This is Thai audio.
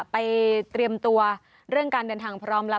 เตรียมตัวเรื่องการเดินทางพร้อมแล้ว